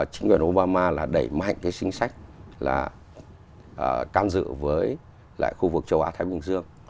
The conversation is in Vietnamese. chính quyền obama là đẩy mạnh cái chính sách là cam dự với lại khu vực châu á thái bình dương